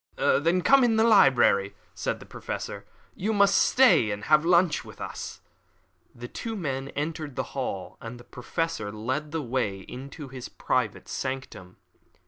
"Then come back into the library," said the Professor; "you must stay and have lunch with us." The two men entered the hall, and the Professor led the way into his private sanctum.